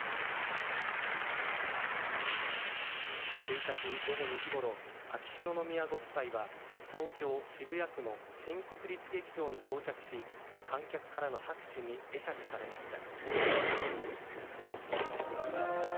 １日午後２時ごろ秋篠宮ご夫妻は東京・渋谷区の新国立劇場に到着し観客からの拍手に会釈されました。